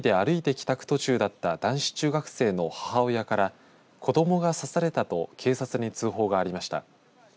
帰宅途中だった男子中学生の母親から子どもが刺されたと警察に通報がありました。